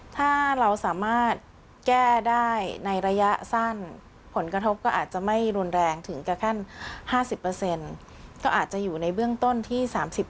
ถ้าเราสามารถแก้ได้ในระยะสั้นผลกระทบก็อาจจะไม่รุนแรงถึงกับขั้น๕๐ก็อาจจะอยู่ในเบื้องต้นที่๓๐